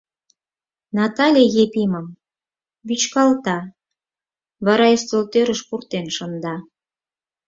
Натале Епимым вӱчкалта, вара ӱстелтӧрыш пуртен шында.